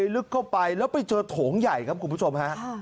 แล้วไปเจอโถงใหญ่ครับคุณผู้ชมฮะ